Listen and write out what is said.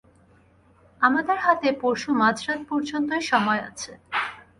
আমাদের হাতে পরশু মাঝ রাত পর্যন্তই সময় আছে।